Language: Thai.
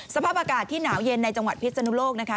สภาพอากาศที่หนาวเย็นในจังหวัดพิศนุโลกนะคะ